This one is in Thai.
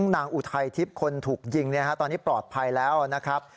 นางอุทัยทิพย์คนถูกยิงตอนนี้ปลอดภัยแล้วนะครับ